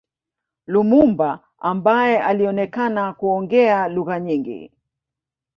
Lumumba ambaye alionekana kuongea lugha nyingi